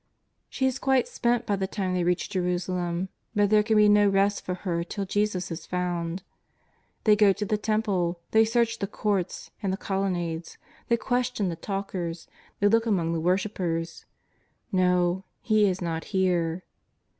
She is quite spent by the time they reach Jerusalem. But there can be no rest for her till Jesus is found. They go to the Temple ; they search the Courts and the colonnades ; they question the talkers ; they look among the worshippers. 'No, He is not here.